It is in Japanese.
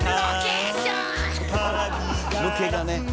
抜けがね。